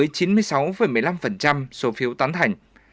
chiếm tỷ lệ chín mươi sáu một mươi năm số phiếu tán thành